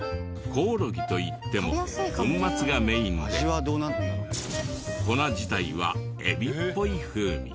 コオロギといっても粉末がメインで粉自体はエビっぽい風味。